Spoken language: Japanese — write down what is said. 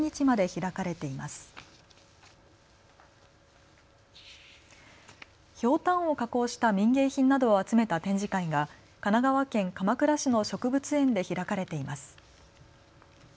ひょうたんを加工した民芸品などを集めた展示会が神奈川県鎌倉市の植物園で開かれています。